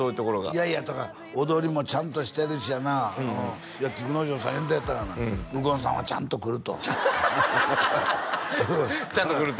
いやいやだから踊りもちゃんとしてるしやないや菊之丞さん言うてはったがな右近さんはちゃんと来るとちゃんと来ると？